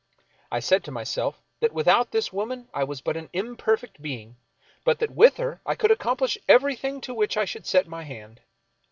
I said to myself that without this woman I was but an imperfect being, but that with her I could accomplish everything to which I should set my hand.